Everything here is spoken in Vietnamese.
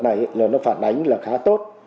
với những người tham gia giao thông